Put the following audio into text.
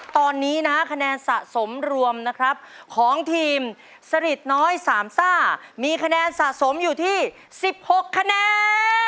ตอนนี้นะคะแนนสะสมรวมนะครับของทีมสริดน้อยสามซ่ามีคะแนนสะสมอยู่ที่๑๖คะแนน